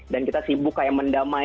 dan kita sibuk kayak mendamai